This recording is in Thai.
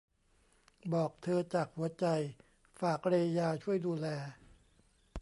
บอกเธอจากหัวใจ ฝากเรยาช่วยดูแล